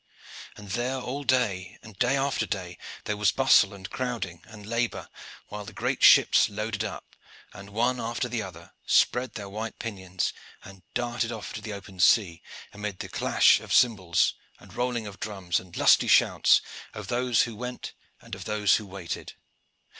And there all day, and day after day, there was bustle and crowding and labor, while the great ships loaded up, and one after the other spread their white pinions and darted off to the open sea, amid the clash of cymbals and rolling of drums and lusty shouts of those who went and of those who waited.